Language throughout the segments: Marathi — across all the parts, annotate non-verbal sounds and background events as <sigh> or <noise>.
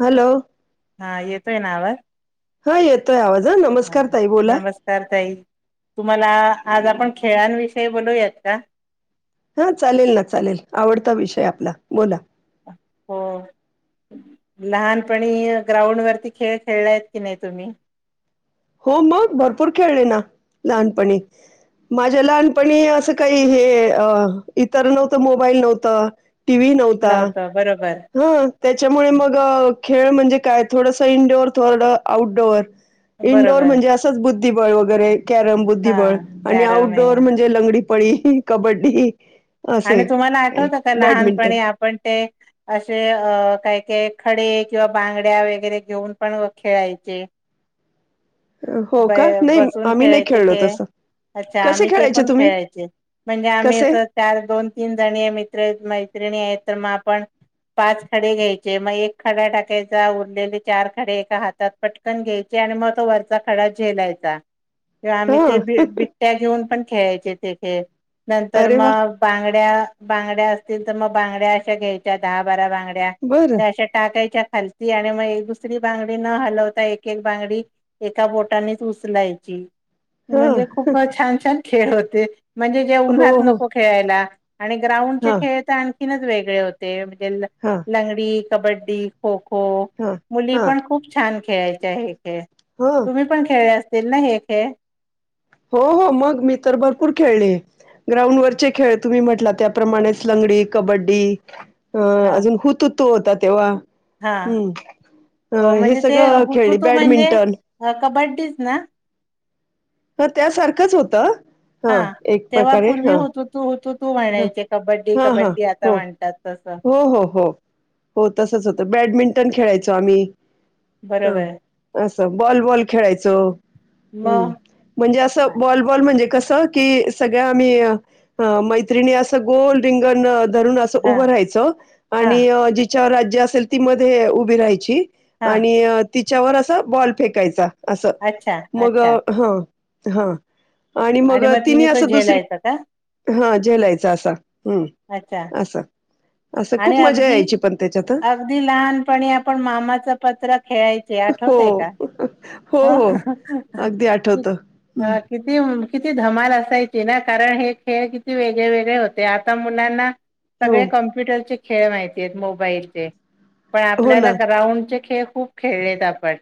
हॅलो! हा येतोयना आवाज हा येतोय आवाज ह नमस्कार ताई बोला. तर तई तुम्हाला आज आपण खेळांविषयी बोलूयात का? हा चालेल ना चालेल आवडता विषय आपला बोला हो. लहानपणी ग्राउंड वरती खेळ खेळलाय की नाही तुम्ही? हो मग भरपूर खेळले ना लहानपणी माझ्या लहानपणी असं काही हे इतर नव्हतं मोबाईल नव्हतं. टी व्ही नव्हता, नव्हतं बरोबर. हं त्याच्यामुळे मग खेळ म्हणजे काय थोडंस इंडोअर थोडं आउटडोअर इनडोअर बरोबर म्हणजे असंच बुद्धिबळ वगैरे कॅरम हा बुद्धिबळ आणि कॅरम आहे आऊउटडोअर म्हणज जे लंगडी पळी, कबड्डी असे आणि तुम्हाला काय आठवतं का बॅडमिंटन लहानपणी आपण ते असे अ काय काय खडे किंवा बांगड्या वगैरे घेऊन पण खेळायचे. हो ब का? नाही बसून आम्ही नाही खेळायचे खेळलो खेळ. तसं. अच्छा कसे आम्ही ते खेळायचे पण तुम्ही? खेळायचे म्हणजे आम्ही कसे? अस चार दोन तीन जणी मित्र मैत्रिणी आहेत तर मग आपण पाच खडे घ्यायचे मग एक खडा टाकायचा उरलेले चार खडे एका हातात पटकन घ्यायची आणि मग तो वरचा खडा झेलायचा. किंवा आम्ही ते बि हां. बिबट्या घेऊन पण खेळायचे ते खेळ नंतर अरे वाह! मग बांगड्या बांगड्या असतील तर मग बांगड्या अशा घ्यायच्या दहा बारा बांगड्या बरं. अशा टाकायच्या खालती आणि मग एक दुसरी बांगडी न हलवता एक एक बांगडी एका बोटानेच उचलायची म्हणजे हां. खूप छान छान खेळ होते म्हणजे जे हो, उन्हात हो. नको खेळायला आणि ग्राउंडचे हां, खेळ तर आणखीनच वेगळे होते म्हणजे हा लंगडी कबड्डी खो खो हां, मुली हां, पण खूप छान खेळायच्या आहे खे हां. तुम्ही पण खेळले असतील ना हे खेळ हो हो मग मी तर भरपूर खेळले ग्राउंडवररचे खेळ तुम्ही म्हटला त्या प्रमाणेच लंगडी कबड्डी अ हा अजून हुतुतू होता तेव्हा हा हम्म अ हो हे सगळं खेळली बॅडमिंटन ह कबड्डीच ना हा त्यासारखंच होतं हा एक तेव्हा प्रकारे पूर्वी हा हुतू तू तू तू म्हणायचे कबड्डी हां. कबड्डी आता हो. म्हणतात तसं हो हो हो हो तसंच होतं बॅडमिंटन खेळायचो आम्ही बरोबर हा असं बॉल बॉल खेळायचं हम्म मग म्हणजे असं बॉल बॉल म्हणजे कसं की सगळं आम्ही अ मैत्रिणी असं गोल रिंगण धरून अस हा उभं राहायचं हा आणि जिच्या राज्य असेल ती मध्ये उभी राहायची हा आणि तिच्यावर असं बॉल फेकायचा असं अच्छा मग अच्छा ह हा आणि मग तिने असं दुसरी हा जेलायचा असा अच्छा असा असं आणि खूप मजा अगदी यायची पण त्याच्यात अगदी लहानपणी आपण मामाच पत्र खेळायचे हो, आठवतय का हो, ह ह किती किती धमाल असायची ना कारण हे खेळ किती वेगळे वेगळे होते आता मुलांना हो, सगळे कम्प्युटरचे खेळ माहिती आहेत मोबाईलचे पण हो आपल्याला ना. ग्राउंडचे खेळ खूप खेळलेत आपण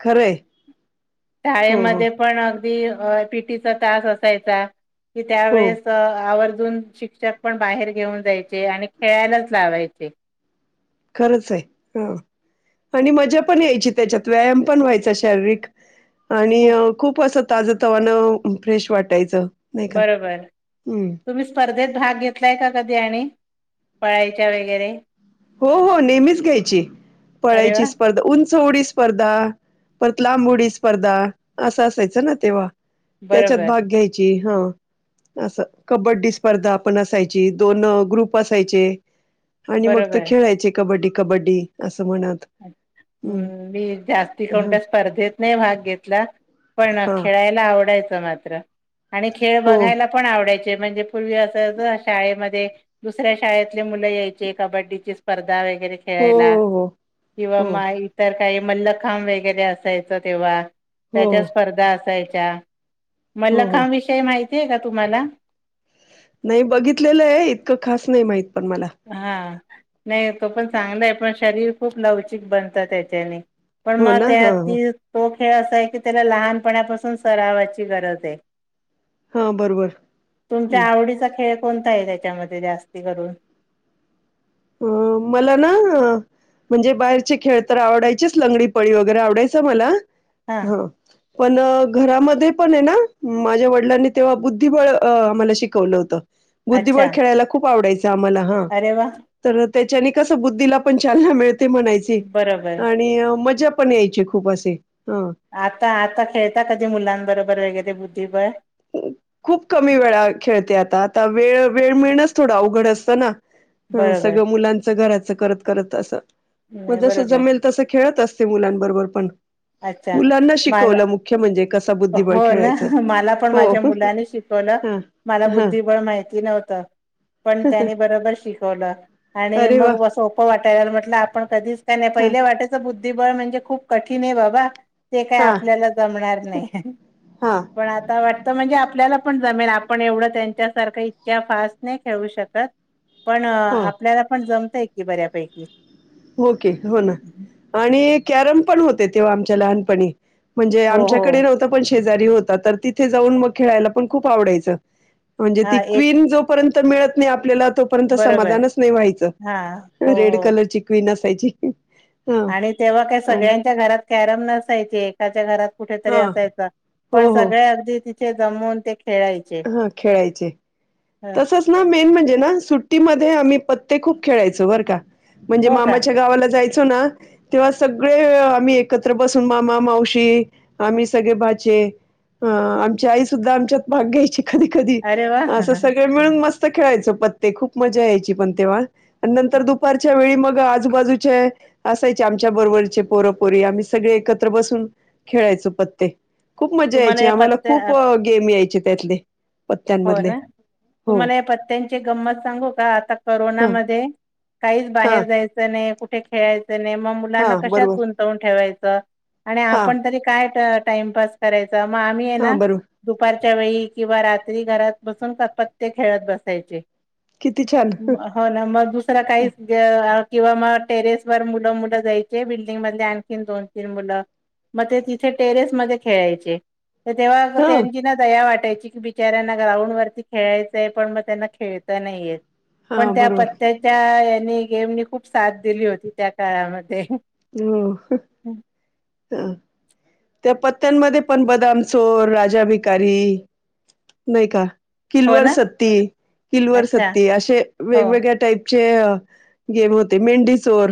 खरंय. हो, हो, शाळेमध्ये पण अगदी पीटीचा तास असायचा की हो. त्यावेळेस आवर्जून शिक्षक पण बाहेर घेऊन जायचे आणि खेळायलाच लावायचे खरंच आहे ह आणि मजा पण यायची त्याच्यात व्यायाम पण व्हायचा शारीरिक आणि खूप असं ताज तवाण फ्रेश वाटायचं नाही का? बरोबर हं. तुम्ही स्पर्धेत भाग घेतलाय का कधी आणि पळायच्या वगैरे हो हो नेहमीच घ्यायची अरे पळायची वा स्पर्धा उंच ढ स्पर्धा परत लांब उडी स्पर्धा असं असायचं ना तेव्हा त्याच्यात बरोबर भाग घ्यायची हा असं कबड्डी स्पर्धा आपण असायची दोन ग्रुप असायचे आणि मग बरोबर कयचे कबड्डी कबड्डी असं म्हणत म् मी जास्ती ह कोणत्या स्पर्धेत नाही भाग घेतला पण हा खेळाला आव म खेळ हो बघाय पण आवडायचे म्हणजे पूर्वी अस शाळेमध्ये दुसऱ्या शाळेतले मुलं यायचे कबड्डीची स्पर्धा वगैरे हो खेळायला हो किंवा हो हो म इतर काही मल्लखांब वगैरे असायचं तेव्हा हो त्याच्या स्पर्धा असायच्या हो हो मल्लखांव विषयी माहितीय का तुम्हाला नाही बघितलेलं आहे इतकं खास नाही माहित पण मला हां नाही तो पण चांगला आहे पण शरीर खूप लवचिक बनतं त्याच्याने पण हो मग ना त्या हा ह ती तो खेळ असा आहे की त्याला लहानपणापासून सरावाची गरज आहे हा बरोबर तुमच्या हं. आवडीचा खेळ कोणता आहे त्याच्यामध्ये जास्ती करून अ मला ना म्हणजे बाहेरचे खेळ तर आवडायचेच लंगडी पळी वगैरे आवडायचं मला हा ह पण घरामध्ये पण आहे ना माझ्या वडिलांनी तेव्हा बुद्धिबळ आम्हाला शिकवलं होतं बुद्धिबळ अच्छा खेळायला खूप आडायचं आ्हा हा अरे वा तर त्याच्यानी कसं बुद्धीला पण चालना मिळते म्हणायची बरोबर आणि मजा पण यायचे खूप असे ह आता आता खेळता कधी मुलांबरोबर वगैरे बुद्धिबळ खूप कमी वेळा खेळते आता आता वेळ वेळ मिळणच थोडं अवघड असतं ना हा बरोबर सगळं मुलांचं घराच करत करत असं मग नाही जस बरोबर जमेल तसं खेळत असत मुलांबरोबर पण अच्छा मुलांना मला शिकवलं मुख्य म्हणजे कस बुद्धिबळ हो ना खेळायच मला पण माझ्या मुलांनी शिकवलं मला हा बुद्धिबळ माहिती नव्हतं पण त्याने बरोबर शिक आणि अरे वा मग सोपं वाटाय म्हट आपण कधीच का नाही हा पहिले वाटा बुद्धिबळ म्हणजे खूप कठीण आहे बाबा ते काही हा आपल्याला जमणार नाही हा पण आता वाट म्हणजे आपल्याला पण जमेल आपण एवढं त्यांच्यासारखं इतक्या फास्ट नाही खेळू शकत पण हो. आपल्याला पण जमतय की बऱ्यापैकी होके हो ना आणि कॅरम पण होते तेव्हा आमच्या लहानपणी म्हणजे हो हो. आमच्याकडे नव्हत ण शेज होता तिथे जाऊन मग खेयला पण खूप आवडाय म्हणजे त हा एक क्न र्य मिळत नाही आपल्याला तोपर्यंत बरोबर समाधानच नाही व्हायचं हा हो रेड हो. कलरची क्वीन असायची हा आणि तेव्हा काय आणि सगळ्यांच्या घरात कॅरम नसायचे एकाच्या घरात कुठेतरी हा असायच हो पण हो सगळे अगदी तिथे जमून ते खेळायच हा खेळायचे ना मेन म्हणजे ना सुट्टीमध्ये आम्ही पत्ते खूप खेळायचो बरं का म्हणजे हो का मामाच्या गावाला जायचं ना तेव्हा सगळे आम्ही एकत्र बसून मामा मावशी आम्ही सगळे भाचे अ आमच्या आई सुुद्धा आमच्यात भाग घ्यायची कधी कधी अरे वा असं सगळं मिळून मस्त खेळायचं पत्ते खूप मजा यायची पण तेव्हा आणि नंतर दुपारच्या वेळी मग आजूबाजूच्या असायचे आमच्या बरोबरचे पोरपोरी आम्ही सगळे एकत्र बसून खेळायचो पत्ते खूप मजा तुम्हाला यायची या आम्हाला खूप पत्त्या गेम यायचे त्यातले हो पत्त्यांमधले ना हो. तुम्हाला या पत्त्यांची गंमत सांगू का आता हा करोनामध्ये काहीच हा बाहेर जायचं कुठे खेळायचं नाही मग मुलांना हा कशात बरोबर गुंतवून ठेवायचं. आणि हा आपण तरी काय टाइमपास करायचा मग आम्ही आहे हा ना. बरोबर दुपारच्या वेळी किंवा रात्री घरात बसून का पत्ते खेळत बसायचे. किती अ छान म. हो ना मग दुसरा काही किंवा मग टेरेस वर मुलं मुलं जायचे बिल्डिंग मधली आणखीन दोन तिन मुल मग ते तिथे टेरेस मध्ये खेळायचे. तर तेव्हा हा त्यांची ना दया वाटायची. ना ग्राउंड वरती खेळायचंय पण म त्यांना खेळता नाहीे येत हा पण त्या प बरोबर त्या यांनी गेमनी खूप साथ दिली होती त्या काळामध्ये हो ह. त्या पत्त्यांमध्ये पण बदाम, चोर, राजा, भिकारी नाही का. हो किलवर ना सत्ती, किलवर अच्छा सत्ती असे हो वेगवेगळ्या टाईप चे गेम होते मेंढी चोर.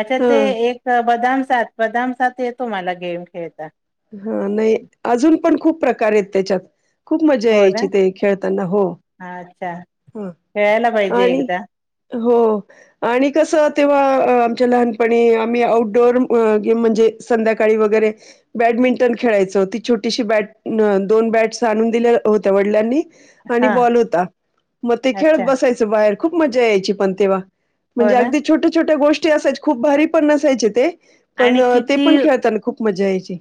अच्छा ह ते एक बदाम, सात बदाम सात येतो मला गेम खेळता. हा नाही अजून पण खूप प्रकार आहेत त्याच्यात. खूप मजा हो ना यायची ते खेळताना हो अच्छा ह खेळायला पाहिजे आणि एकदा हो आणि कसं तेव्हा आमच्या लहानपणी आम्ही आउटडोअर गेम म्हणजे संध्याकाळी वगैरे बॅडमिंटन खेळायचं होती छोटीशी बॅट दोन बॅट्स आणून दिल्या होत्या वडिलांनी आणि हा बॉल होता मग ते खेळत अच्छा बसायचं बाहेर खूप मजा यायची पण तेव्हा. हो म्हणजे ना अगदी छोट्या छोट्या गोष्टी असायच्या खूप भारी पण नसायचे ते पण आणि ते किती पण खेळताना खूप खूप मजा यायची.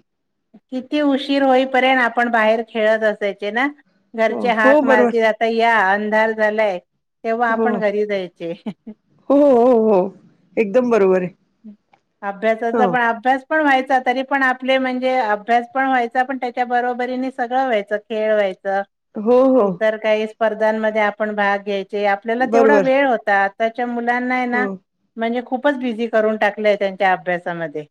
किती उशीर होईपर्यंत आपण बाहेर खेळत असायचे ना. हो, घरचे हो, हाक बरोबर. मारतील आता या, अंधार झालाय. तेव्हा हो, आपण हो, घरी जायचे. हो हो. एकदम बरोबर आहे. हो, अभ्यासाचा पण अभ्यास पण व्हायचा तरी पण आपले म्हण म्हणजे अभ्यास पण व्हायचा पण त्याच्या बरोबरीने सगळं व्हायचं खेळ व्हायचं. हो, हो. इतर काही स्पर्धांमध्ये आपण भाग घ्यायचे आपल्याला तेवढा बरोबर. वेळ होता. त्याच्या मुलांना हाय ना हो. म्हणजे खूपच बिझी करून टाकलंय त्यांच्या अभ्यासामध्ये.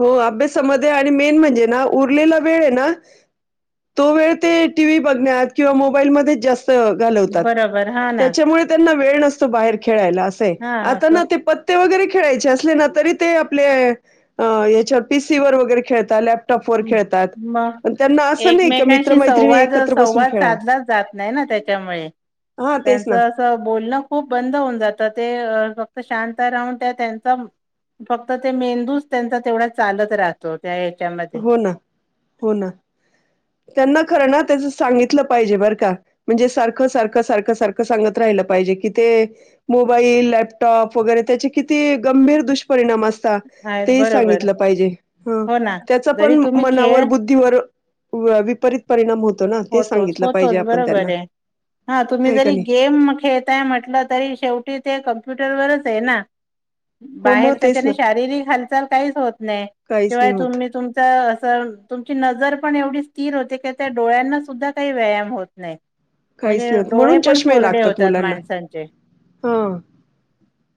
हो अभ्यासामध्ये आणि मेन म्हणजे ना उरलेला वेळ आहे ना तो वेळ ते टी व्ही बघण्यात किंवा मोबाईलमध्ये जास्त घालवतात बरोबर हा ना त्याच्यामुळे त्यांना वेळ नसतो बाहेर खेळायला असय हा आता असं ना ते प वगैरे खेळायचे अस ना तरी ते आपले याच्यावर पीसी वर वगैरे खेळत मग नाही का एकमेकांशी मित्रमैत्रिणी संवाद एकत्र बसून संवाद खेळावं. साधलाच जात नाही ना त्या त्यामुळे हा तेच ना. बोलणं खूप बंद होऊन जातं ते फक्त शांत राहून त्या त्यांचा फक्त ते मेंदूच त्यांचा तेवढा चालत राहतो त्या याच्यामध्ये हो ना हो ना त्यांना खरं ना त्याच सांगितलं पाहिजे बरं का. म्हणजे सारखं सारखं सारखं सारखं सांगत राहिलं पाहिजे कि ते मोबाईल, लॅपटॉप वगैरे त्याचे किती गंभीर दुष्परिणाम असत आहेत ते बरोबर सांगितलं पाहिजे ह. हो ना त्याचा जरी पण तुम्ही मनावर, खेळ बुद्धीवर विपरीत परिणाम होतो ना. ते होतोच सांगितलं पाहिजे होतोच आपण त्यांना बरोबर आहे, हा तुम्ही आहे का जरी नाही गेम खेळ काय म्हटलं तरी शेवटी ते कम्प्युटरवरच आहे ना. हो मग बाहेर तेच त्याच्याने ना शारीरिक हालचाल काहीच होत नाही काहीच शिवाय नाही होत तुम्ही तुम असं तुमची नजर पण एवढी स्थिर होते की त्या डोळ्यांना सुद्धा काही व्यायाम होत नाही काहीच म्हणजे नाही होत डोळे म्हणून पण चष्मे कोरडे लागतात होतात मुलांना माणसांचे हा,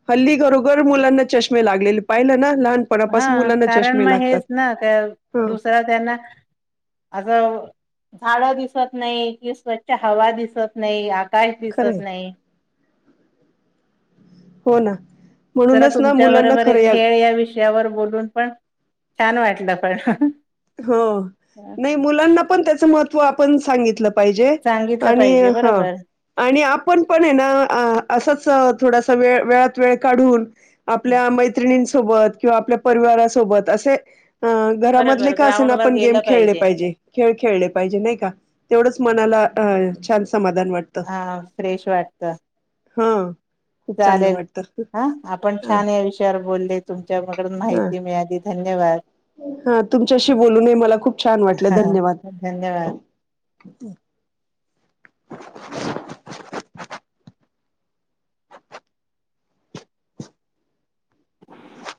हल्ली घरोघर मुलांना चष्मे लागलेले पाहिलं ना लहान हा कारण मग हेच ना त्या हा दुसरा त्यांना अगं, झाड दिसत नाही कि स्वच्छ हवा दिसत नाही, आकाश दिसत खरंय नाही हो ना जरा म्हणूनच ना तुमच्या मुलांना बरोबर खरं खेळ या विषयावर बोलून पण छान वाटलं पण हो, नाही मुलांना पण त्याचं महत्त्व आपण सांगितलं पाहिजे सांगितलं आणि पाहिजे हा बरोबर आणि आपण पण ए ना असंच थोडासा वेळ वेळात वेळ काढून आपल्या मैत्रिणींसोबत किंवा आपल्या परिवारासोबत असे बरोबर घरामधले े ग्राउंड वर आपण गेम गेलं खेळले पाहिजे खेळ खेळले पाहिजे नाही का, तेवढच मनाला छान समाधान वाटत हा फ्रेश वाटतं हां चालेल, हा आपण हा छान या विषयावर बोलले तुमच्या कडून हा माहिती मिळाली. धन्यवाद! हा, तुमच्याशी बोलूनही मला खूप छान वाटलं धन्यवाद! धन्यवाद <unintelligible>